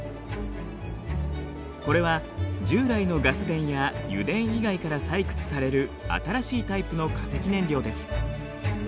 これは従来のガス田や油田以外から採掘される新しいタイプの化石燃料です。